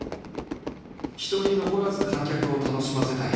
一人残らず観客を楽しませたい。